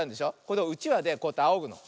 このうちわでこうやってあおぐの。